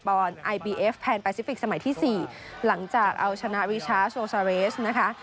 บอนไอบีเอฟแพนแปซิฟิกส์สมัยที่สี่หลังจากเอาชนะวิชาโทรสาว์เวจนะคะ